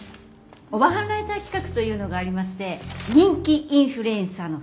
オバハンライター企画というのがありまして「人気インフルエンサーの素行を調査」。